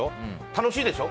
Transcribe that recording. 楽しいでしょ。